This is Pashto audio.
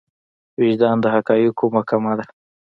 وجدان د حقايقو محکمه ده.